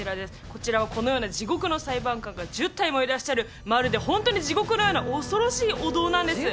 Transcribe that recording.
こちらはこのような地獄の裁判官が１０体もいらっしゃるまるでホントに地獄のような恐ろしいお堂なんです